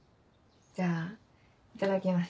じゃあいただきます。